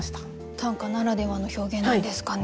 短歌ならではの表現なんですかね。